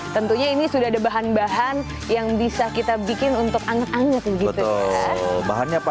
tentunya ini sudah ada bahan bahan yang bisa kita bikin untuk anget anget begitu ya pak